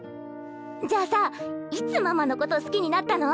じゃあさいつママのこと好きになったの？